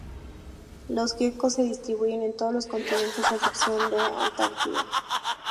Los geckos se distribuyen en todos los continentes, a excepción de Antártida.